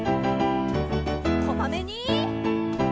こまめに！